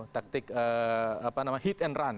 taktik hit and run